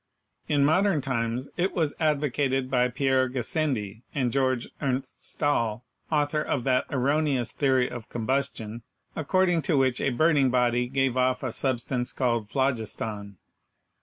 In modern times it was advocated by Pierre Gassendi and Georg Ernst Stahl, author of that erroneous theory of combustion, according to which a burning body gave off a substance called 'phlogiston.'